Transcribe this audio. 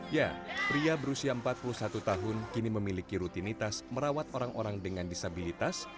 ya pria berusia empat puluh satu tahun kini memiliki rutinitas merawat orang orang dengan disabilitas